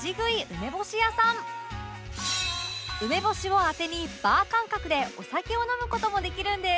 梅干しをアテにバー感覚でお酒を飲む事もできるんです